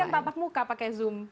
tapi kan tatap muka pakai zoom